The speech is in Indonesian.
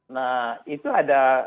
nah itu ada